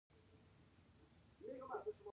سرحدونه د افغانستان د ټولنې لپاره بنسټيز رول لري.